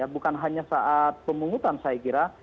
bukan hanya saat pemungutan saya kira